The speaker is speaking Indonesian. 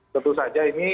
tentu saja ini